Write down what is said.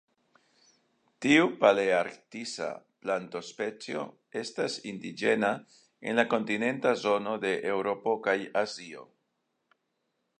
Tiu palearktisa plantospecio estas indiĝena en la kontinenta zono de Eŭropo kaj Azio.